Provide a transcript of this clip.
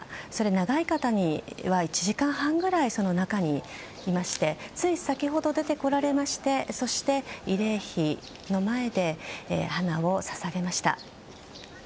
長い方は１時間半ぐらい中にいましてつい先ほど出てこられましてそして、慰霊碑の前で花を捧げました。